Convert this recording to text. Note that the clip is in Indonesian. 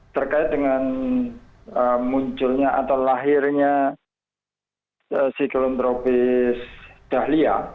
terkait dengan munculnya atau lahirnya siklon tropis dahlia